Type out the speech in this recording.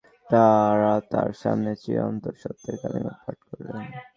তাঁরা তাঁর সামনে চিরন্তন সত্যের কালিমা পাঠ করলেন।